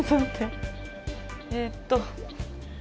えっと。